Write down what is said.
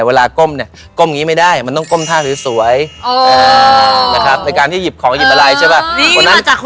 เราก็วิ่งไปวิ่งไปคุณครับคุณครับคุณครับกระดาษตก